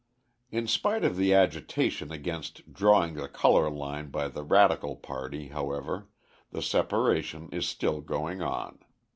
In spite of the agitation against drawing the colour line by the radical party, however, the separation is still going on.